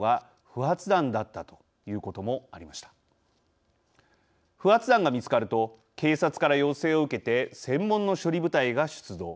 不発弾が見つかると警察から要請を受けて専門の処理部隊が出動。